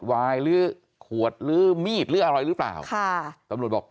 วายหรือขวดหรือมีดหรืออะไรหรือเปล่าค่ะตำรวจบอก